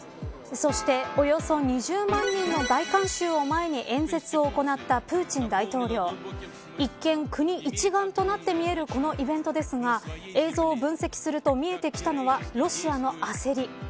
そして、およそ２０万人の大観衆を前に演説を行ったプーチン大統領一見、国一丸となって見えるこのイベントですが映像を分析すると見えてきたのはロシアの焦り。